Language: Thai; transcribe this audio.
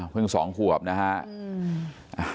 เพิ่ง๒ขวบนะครับ